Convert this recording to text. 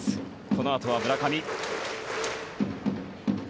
このあとは村上。